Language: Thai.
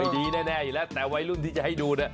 ไม่ดีแน่อยู่แล้วแต่วัยรุ่นที่จะให้ดู